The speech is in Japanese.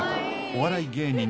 お笑い芸人